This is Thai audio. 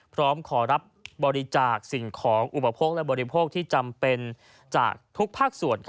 พร้อมขอรับบริจาคสิ่งของอุปโภคและบริโภคที่จำเป็นจากทุกภาคส่วน